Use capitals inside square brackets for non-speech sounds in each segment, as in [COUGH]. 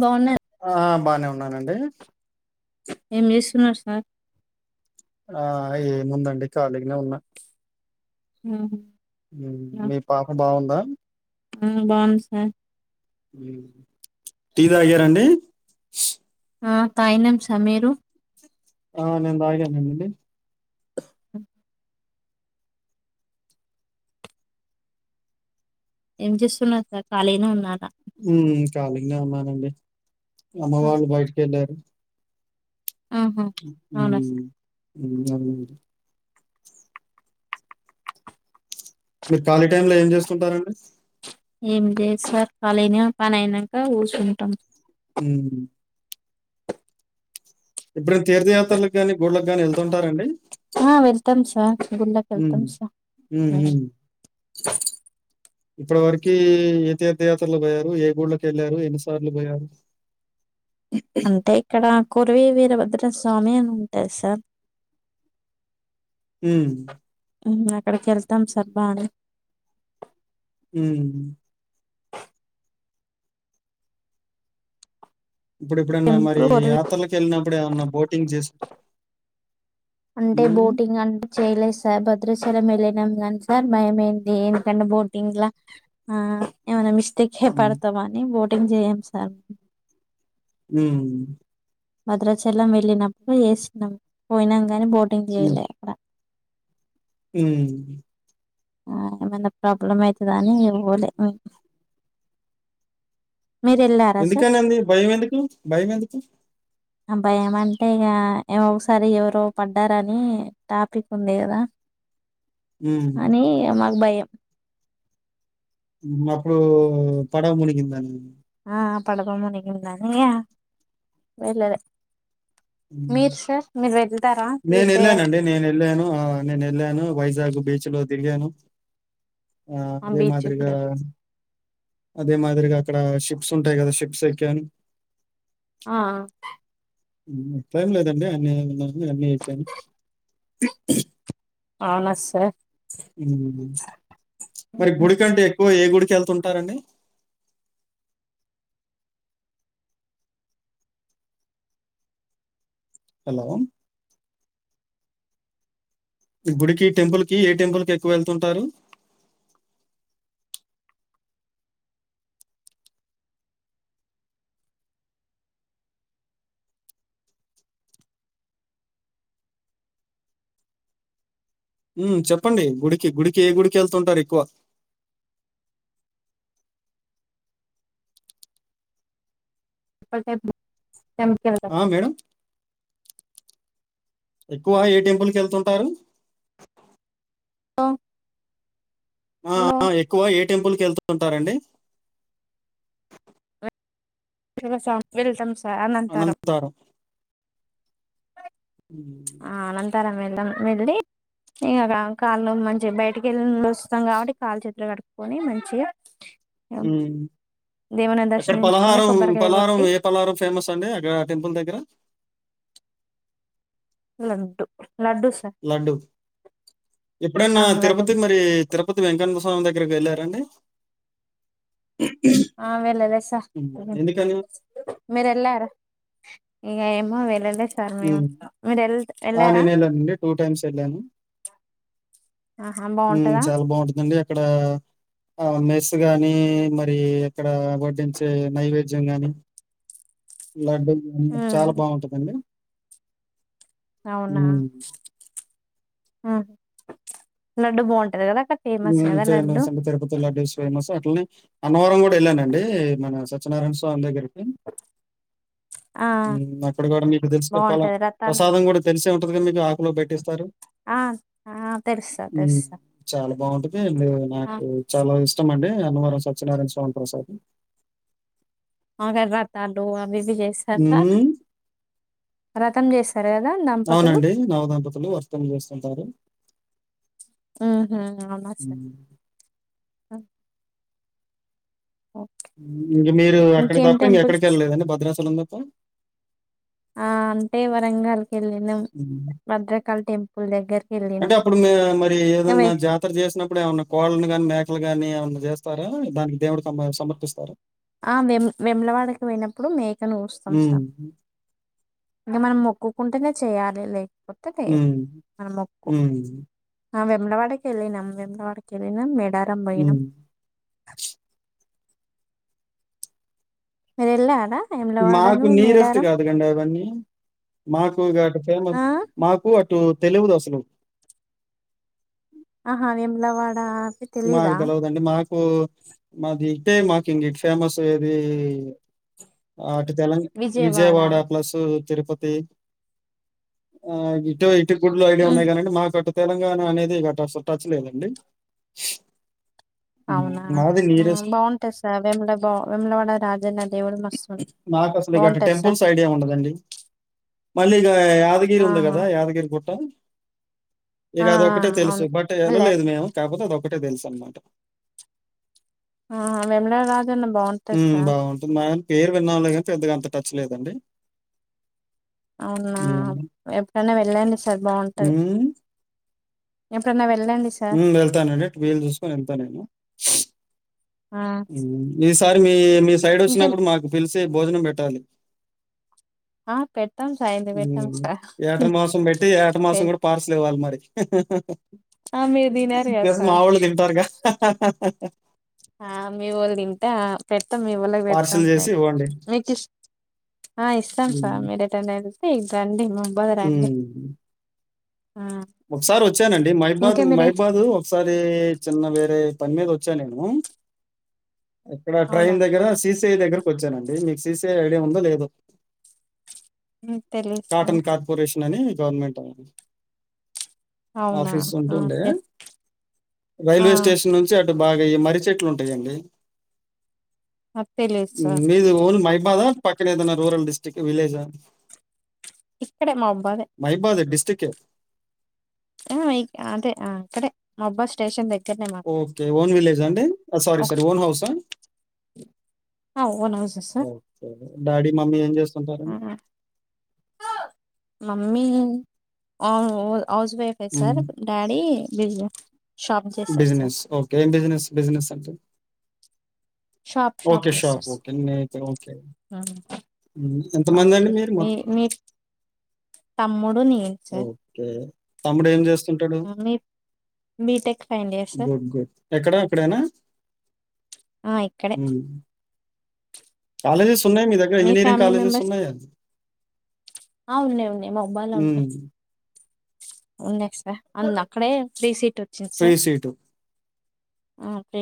బావున్నా ఆ బానే ఉన్నానండి ఏం చేస్తున్నారు సార్ ఆ ఏముందండి ఖాళీగనే ఉన్న మ్ హు మ్ఁ మీ పాప బాగుందా? ఆ బావుంది సార్. మ్ టీ తాగారా అండి? ఆ తాయినం సార్ మీరు? ఆ నేన్ తాగాననండి అ ఏం చేస్తున్నర్ సర్ ఖాళీగనే ఉన్నా ఖాళీగనే ఉన్నానండీ అమ్మ వాళ్ళు బయటకెళ్ళారు. ఆహా మ్ అవునా మ్మ్ఁ సార్ మ్మ్ మీరు ఖాళీ టైమ్ లో ఏం చేస్తుంటారండి? ఏం లేదు సార్ ఖాలీనే పని అయినంక కూసుంటం హ్మ్ ఇప్పుడు తీర్థయాత్రలకు గాని గుడ్ళకు గాని వెళ్తుంటారా అండి? ఆ వెళ్తం సార్ గుడ్ళకి హ్మ్ ఎళ్తం సార్ హ్మ్ మ్ హ్మ్ ఇప్పటి వరకీ ఏ తీర్థయాత్రలకు పోయారు ఏ గుళ్ళకి ఎళ్ళారు ఎన్నిసార్లు పోయారు? అంటే ఇక్కడా కొరివీ వీరభద్ర స్వామి అని ఉంటది సార్ హ్మ్ ఇంగ అక్కడికి వెళ్తం సార్ బానే. హ్మ్ఁ ఇప్పుడు ఎప్పుడన్నా టెంపుల్ మరీ కొరివి యాత్రలకి వెళ్ళినప్పుడు ఏమన్నా బోటింగ్ చేస్ అంటే బోటింగ్ అంటే చేయలేదు సార్ భద్రాచలం వెళ్ళినం గాని సార్ భయమైంది ఎందుకంటే బోటింగ్ లా ఆ ఏమన మిస్ తిక్కే హ్మ్. పడతమని బోటింగ్ చేయం సార్ హ్మ్ఁ భద్రాచలం వెళ్ళినప్పుడు చేసినాం పోయినాం కానీ బోటింగ్ చేయలే అక్కడ హ్మ్ఁ ఆ ఏమన ప్రాబ్లం అయితది అని ఇంగ పోలే మీరు వెళ్ళారా సార్ ఎందుకని అండి భయం ఎందుకు భయం ఎందుకు అ భయం ఏమంటే ఇగ ఏ ఒకసారి ఎవరో పడ్డారని టాపిక్ ఉంది కదా హ్మ్. అనీ మాకు భయం. హు అప్పుడు పడవ మునిగిందండి ఆ పడవ మునిగిందని వెళ్ళలే హు మీరు సార్ మీరు వెళ్తారా నేను తీర్థయాత్ర వెళ్ళానండి నేను వెళ్ళాను నేను వెళ్ళాను వైస్ వైజాగ్ బీచ్ లో తిరిగాను ఆ అదే బీచ్ మాదిరిగా కూడా అదే మా అక్కడ షిప్స్ ఉంటాయి కదా షిప్స్ ఎక్కను ఆ హు అట్లెం లేదండి అన్నీ ఉన్నా అన్నీ ఎక్కాను అవున సార్ హు మరి గుడికంటే ఎక్కువ ఏ గుడి వెళ్తుంటారండి హలో గుడికి టెంపుల్ కి ఏ టెంపుల్ కి ఎక్కువ వెళ్తుంటారు ఊ చెప్పండి గుడికి గుడికి ఏ గుడికి వెళ్తుంటారు ఎక్కువ ఉప్పల్ టెంపుల్ ఆ మేడం ఎక్కువ ఏ టెంపుల్ కు వెళ్తుంటారు ఆ ఆ ఎక్కువ ఏ టెంపుల్ క వెళ్తు ఉంటారండి [UNINTELLIGIBLE] వెళ్తాం సార్ అంటారు అనంతారం. హ్మ్. అనంతరం వెళ్ళాం వెళ్లి ఇంకా కాళ్ళు మంచిగా బయటికి వెళ్ళి వస్తాం కాబట్టి కాళ్ళ చేతులు కడుపుకొని మంచిగా హు దేవుని అక్కడ దర్శనించుకొని పలహారం కొబ్బరికాయ పలహారం కొట్టి ఏ పలహారం ఫేమస్ అండి అక్కడ టెంపుల్ దగ్గర లడ్డూ లడ్డు ఎప్పుడైన ఆ లడ్డు తిరుపతి మరి తిరుపతి వెంకన్న స్వామి దగ్గరకి వెళ్ళారండి ఆ వెళ్ళేలా సార్ ఎందుకని? మీరు వెళ్ళారా ఏమో వెళ్లేలే హు ఆ నేను వెళ్ళానండి టూ టైమ్స్ వెళ్ళాను ఆహా హు బాగుంటదా చాలా బాగుంటుందండి అక్కడ ఆ మే గాని మరి ఇక్కడ వడ్డించే నైవేద్యం గాని లడ్డూ గానీ చాలా బాగుంటుందండి అవునా లడ్డు బాగుంటాది కదా అక్కడ ఫేమస్ కదా లడ్డు ఫేమస్ అండి తిరుపతి లడ్డు ఫేమస్ అట్లనే అన్నవరం కూడా వెళ్ళానండి మన సత్యనారాయణ స్వామి దగ్గరికి ఆ అక్కడ కూడా మీకు తెలుసు పాల బాగుంటది రథాలు ప్రసాదం కూడా తెలిసే ఉంటది కదా మీకు ఆకులో పెట్టిస్తారు ఆ ఆ తెలుసు సార్ ఉమ్ తెలుసు సార్ చాలా బాగుంటది అంటే ఆ నాకు చాలా ఇష్టం అండి అన్నవరం సత్యనారాయణ స్వామి ప్రసాదం అక్కడ రథాలు అవి చేస్తారు సార్ హ్మ్. రథం చేస్త అవునండి నవదంపతులు వస్తూ చేస్తుంటారు ఆహ అవున సార్ హ్మ్. ఓ, ఇంక మీరు ఎక్కడ ఇంకేం తప్ప ఇంక టెంపుల్స్ ఎక్కడికి వెళ్ళలేదండి భద్రాచలం తప్ప ఆ అంటే వరంగాల్కి వెళ్ళినాం హ్మ్. భద్రకాళీ టెంపుల్ దగ్గరకి వెళ్ళినాం అంటే అప్పుడు మ మరి ఇంకా ఏదన్నా వే- జాతర చేసినప్పుడు ఏమన్నా కోళ్లను కానీ మేకలు ని ఏమన్నా చేస్త చేస్తారా దానికి దేవుడు తమ సమర్పిస్తార ఆ వేములవాడకి పోయినప్పుడు మేకను కోస్తాం హ్మ్. సార్ ఇంకా మనం మొక్కుకుంటేనే చేయ్యాలి లేక పోతే లేదు హ్మ్. మన మొక్కు హ్మ్. ఆ వెములవాడకి వెళ్ళినాం వెములవాడకి వెళ్ళినాం మెడారం పోయినాం హ్మ్. మీరెళ్ళార మాకు నియరెస్ట్ కాదులెండి అవన్నీ మాకు ఇక ఫేమస్ ఆ మాకు అ టు తెలువుదసులు ఆహా వేములవాడ మాకు తెలవదండి మాకు మాది మాకి ఇంకా ఇటు ఫేమస్ ఏది ఆ తెల విజయవాడ ప్లస్ తిరుపతి, ఆ ఇటె గుడులు ఐడియా ఉహు ఉన్నాయి కాదండి మాకు తెలణ అనేది ఇక అసలు టచ్ లేదండి హ్మ్. అవునా మాది నియరెస్ట్. బాగుంటది సార్ వేమల బా వెేములవాడ రాజన్న దేవుడు మస్తు అసలు మీకు ఆడ బాగుంటది సార్ టెంపుల్స్ ఐడియా ఉండదండి మళ్ళీ యాదగిరి ఉంది ఆహా కదా యాదగిరిగుట్ట ఇక ఆ అది ఒకటే తెలుసు అవును బట్ వెళ్ళారు వెళ్ళలేదు మేము కాకపోతే అదొక ఒకటే తెలుసనమాట ఆ వేములర ఉమ్ బాగుంటుంది మా పేరు విన్నలేకాని కానీ పెద్దగా అంత టచ్ లేదండి అవునా హ్మ్. ఎప్పుడైన్నా వెళ్ళండి సార్ బాగుంటది హ్మ్. ఎప్పుడన్న వెల్ ఉమ్ వెళ్తానండి వీలు చూసుకని వెళ్తాను నేను ఆ ఈసారి మీ మీ సైడ్ ఇంకా వచ్చినప్పుడు మాకు పిలిచి భోజనం పెట్టాలి ఆ పెడతాం సార్ ఇది పెట్టాం ఉమ్ సార్ ఏటమాసం పెట్టి, ఏటమాసం పె- కూడ పార్సిల్ ఇవ్వాలి మరి ఆ, మీరు తినరు కదా ప్లస్ సార్ మావోళ్లు తింటారుగా ఆ మీవోలు తింట ఆ పెట్ మీవోలకి పెడతాం పార్సెల్ లే, చేసి ఇవ్వండి. మీకిష్ ఆ ఇష్టం సార్ మీరేటన్నయెల్ రండి మ ఉమ్ ఆ, ఒకసారి వచ్చానండి మహిబాద్ ఇంకా మీరే మహిబాదు ఒకసారి చిన్న వేరే పని మీద వచ్చా నేను ఇక్కడ అవునా ట్రైన్ దగ్గర సార్ సిసిఐ దగ్గరకు వచ్చానండి మీకు సిసిఐ ఐడియా ఉందో లేదో హ్మ్ తెలీదు కాటన్ సార్. కార్పొరేషన్ అని గవర్నమెంట్ వా [UNINTELLIGIBLE] అవునా! ఆఫీస్ ఉంటుండే ఓకే. ఆ! రైల్వే స్టేషన్ నుంచి అటు బాగ ఈ మర్రి చెట్లుంటయండి అది తెలీదు సార్. మీది ఓన్ మైబాదా పక్కనే ఏదన రూరల్ డిస్ట్రిక్ట్ విలేజ ఇక్కడే మహబదే కె అదే అంటే ఇక్కడే మొబ్బాద్ స్టేషన్ దగ్ ఒకె ఓన్ విలేజ అండి సారీ ఒక సారీ ఓన్ హౌస ఆ! Own house sir daddy mummy ఎంచే మమ్మీ ఓ హౌస్ వైఫె సార్ హ్మ్. డాడీ బిజినెస్ బిజినెస్ ఒకే ఏ బిజనెస్ బిజనెస్ అంటె షాప్ షాప్ ఒకే చేస్తారు సార్. [UNINTELLIGIBLE] హ్మ్. ఎంతమంది అండి ఓకే. మీరు మో మీ మీ తమ్ముడు నేను సార్. ఒకే తమ్ముడు ఏం చేస్ వుంటాడు ఆ! మీ BTech final year sir. Good good ఎక్కడ అక్కడేనా ఆ ఇక్కడే హ్మ్. కాలేజెస్ ఉన్నాయి మీ దగ్గర ఇంజనీరింగ్ ఫ్యామిలీ కాలేజెస్ మెంబర్స్ ఉన్నాయ ఆ ఉన్నాయి ఉన్నాయి మాక్ బానే ఉన్నాయి ఉన్నాయ్ అందు అక్కడే ఫ్రీ సీట్ వచ్చింది ఫ్రీ సార్ సీటు. ఫ్రీ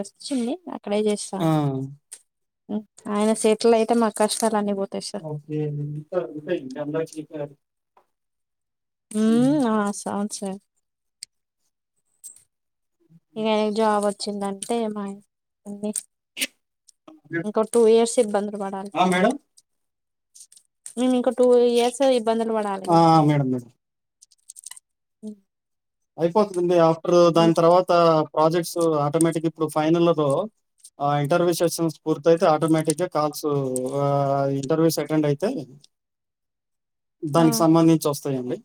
వచ్చింది అక్కడే ఆ! చేస్తాండు ఆయన సెటిల్ అయితే మాకు కష్టాలన్ని పోత్ ఓకే ఇంకా ఇంకా హ్మ్. మ్మ్ ఆ అవును సార్ ఇక జాబ్ వచ్చిందంటే మా అయని ఇంకో టూ ఇయర్స్ ఇబ్బందులు పడాలి ఆ! Sir madam. మేము ఇంకో టూ ఇయర్స్ ఇబ్బందులు పడాలి ఆ! గంతే మేడం. మేడం. అయిపోతుంది ఆఫ్టర్ దాని తర్వాత ప్రాజెక్ట్స్ ఆటోమేటిక్ ఇప్పుడు ఫైనల్ ఆ ఇంటర్వ్యూ సెషన్స్ పూర్తియితే ఆటోమేటిక్గా కాల్స్ ఇంటర్వ్యూస్ అటెండ్ అయితే దానికి సంబంధించి వస్తాయండి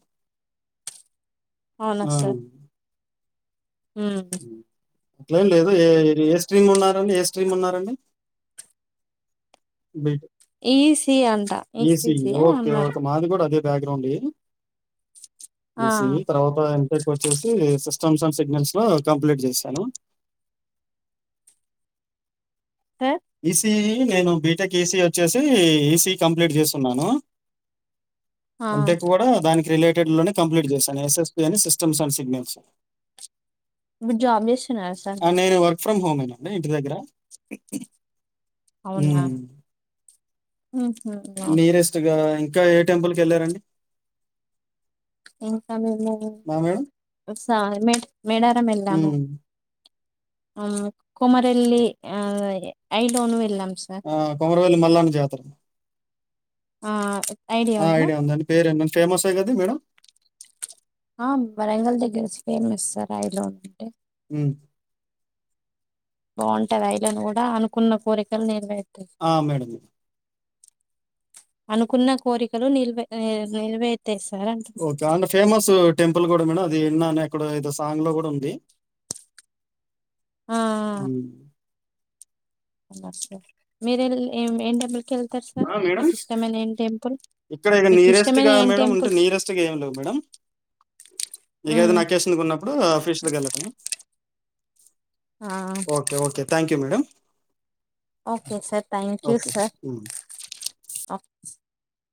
అవునా సార్ మ్మ్ అట్లం లేదు ఏ ఏ స్ట్రీమ్ ఉన్నారండి ఏ స్ట్రీమ్ ఉన్నారండి బి టె ఈ స్ ఈసియి ఓకే ఓకే మాది కూడా అదే బ్యాక్ గ్రౌండ్ లేదు ఈసీయి తర్వాత వచ్చేసి సిస్టమ్స్ అండ్ సిగ్నల్స్ ను కంప్లీట్ చేశాను సార్ తి నేను బీటెక్ ఈసీ వచ్చేసి ఈసీ కంప్లీట్ చేస్తున్నాను అంటే కూడా దానికి రిలేట్ టెడ్ లోనే కంప్లీట్ చేశా ఎస్ ఎస్ పి అని సిస్టమ్స్ అండ్ సిగ్నల్స్ జాబ్ చేస్తున్నారా సార్ అండ్ మీరు నేను వర్క్ ఫ్రమ్ హోమ్ అండి ఇంటి దగ్గర అవునా అవునా నియరెస్ట్గా ఇంకా ఏ టెంపుల్ కి వెళ్ళారండి ఇన్కమింగ్ లేదు స మెడారం ఎళ్లాము హ్మ్. అ కొమారేల్లి ఆ ఐలోను ఎళ్ళాము ఆ కొమరవేల్లి మల్లన్న జాతారా ఆ, ఆ ఐడియా ఉందండి పేరేడి ఫేమసే కద మేడం ఆ వరంగల్ దగ్గర ఫేమస్ సార్ ఆ ఐలోన్ అంటే ఉ బాగుంటది అఐలేను కూడా అనుకున్న కోరికలు నేరవె ర్ ఆ మేడం అనుకున్న కోరికలు నిల్వే నిల్వే ఓకే అంద ఫేమస్ టెంపల్ కూడా మేడం అది ఇన్న అనే ఎక్కడో ఎదో సాంగ్ లో కూడా ఉంది ఆ హ్మ్. అ సార్ మీరు ఏ ఏం టెంపుల్కి వెళ్తారు సార్ ఆ! మేడం? మీకు ఇష్టమైన ఏం టెంపుల్ ఇక్కడ ఇక మీకు ఇష్టమైన నీరెస్ట్గా ఏం మేడం అంటే టెంపుల్ నీరెస్ట్ గా ఏం లేవు మేడం ఏదైన అకేషన్ ఉన్నపుడు అఫిషియల్గా వెళ్ళటమా okay okay thank you madam okay sir thank you okay. Sir హ్మ్. ఆ